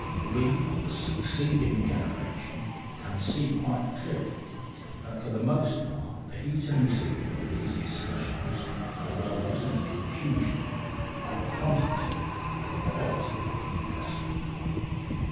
We of the succeeding generation can see quite clearly that for the most part the heat and zeal of these discussions arose in the confusion of a quantitative for a qualitative question.